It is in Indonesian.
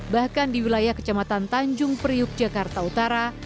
bahkan di wilayah kecamatan tanjung priuk jakarta utara